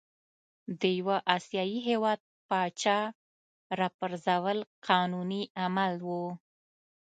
د یوه آسیايي هیواد پاچا را پرزول قانوني عمل وو.